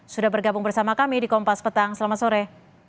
sudah bergabung bersama kami di kompas petang selamat sore